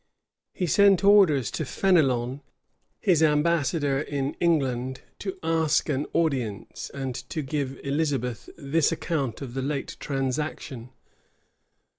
He sent orders to Fenelon, his ambassador in England, to ask an audience, and to give Elizabeth this account of the late transaction.